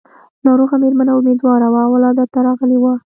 ناروغه مېرمنه اميدواره وه او ولادت ته راغلې وه.